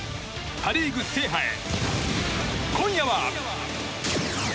パ・リーグ制覇へ、今夜は。